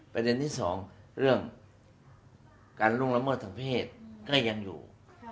ประเด็นที่สองเรื่องการล่วงละเมิดทางเพศก็ยังอยู่